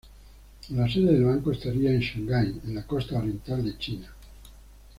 La sede del banco estaría en Shanghái, en la costa oriental de China.